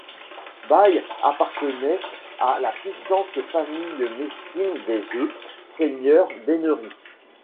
Buy appartenait à la puissante famille messine des Heu, seigneurs d'Ennery.